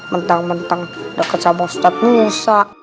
mentang mentang deket sama ustadz musa